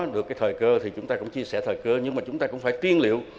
được cái thời cơ thì chúng ta cũng chia sẻ thời cơ nhưng mà chúng ta cũng phải tiên liệu